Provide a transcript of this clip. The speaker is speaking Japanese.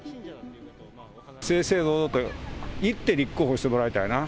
正々堂々と言って立候補してもらいたいな。